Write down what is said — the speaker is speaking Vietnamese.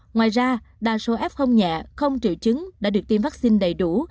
ngoài ra đa số f nhẹ không triệu chứng đã được tiêm vaccine đầy đủ